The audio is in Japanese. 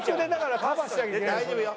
大丈夫よ。